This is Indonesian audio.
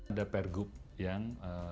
ada per group yang